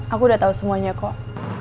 aku udah tahu semuanya kok